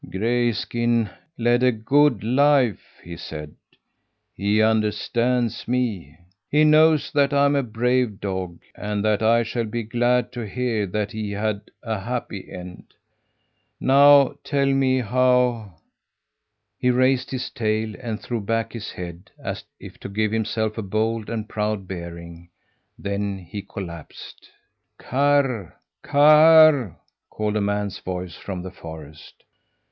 "Grayskin led a good life," he said. "He understands me. He knows that I'm a brave dog, and that I shall be glad to hear that he had a happy end. Now tell me how " He raised his tail and threw back his head, as if to give himself a bold and proud bearing then he collapsed. "Karr! Karr!" called a man's voice from the forest.